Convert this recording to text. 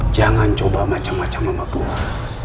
jangan coba macam macam memabuk